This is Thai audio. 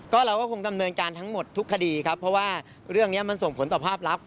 ก็เราก็คงดำเนินการทั้งหมดทุกคดีครับเพราะว่าเรื่องนี้มันส่งผลต่อภาพลับ